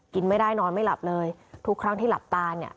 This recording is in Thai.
กินไม่ได้นอนไม่หลับเลยทุกครั้งที่หลับตาเนี่ย